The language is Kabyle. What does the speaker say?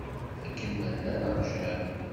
Akken ma llan ṛjan.